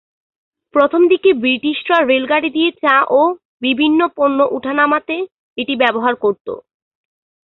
প্রথম দিকে ব্রিটিশরা রেলগাড়ি দিয়ে চা ও বিভিন্ন পণ্য উঠা-নামাতে এটি ব্যবহার করত।